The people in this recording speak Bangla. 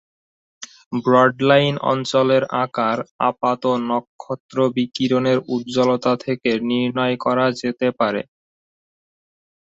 ব্রড-লাইন অঞ্চলের আকার আপাত-নক্ষত্র বিকিরণের উজ্জ্বলতা থেকে নির্ণয় করা যেতে পারে।